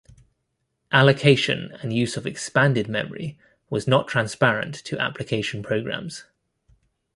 Allocation and use of expanded memory was not transparent to application programs.